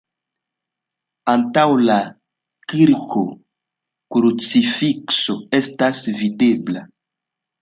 Antaŭ la kirko krucifikso estas videbla.